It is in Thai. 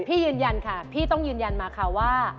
ยืนยันค่ะพี่ต้องยืนยันมาค่ะว่า